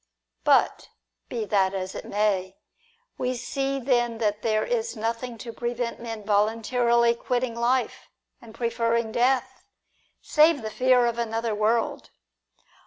But be that as it may. We see then that there is nothing to prevent men voluntarily quitting life, and preferring death, save the fear of another world.